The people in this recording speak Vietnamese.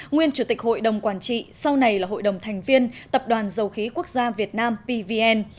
nguyên chủ tịch hội đồng quản trị sau này là hội đồng thành viên tập đoàn dầu khí quốc gia việt nam pvn